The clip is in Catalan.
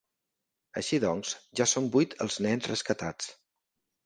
Així doncs, ja són vuit els nens rescatats.